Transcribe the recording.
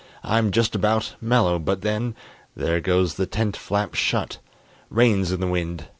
I'm just about Mellow, but then There goes the tent flap shut. Rain's in the wind.